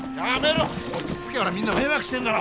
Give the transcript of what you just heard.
落ち着けほらみんな迷惑してんだろ。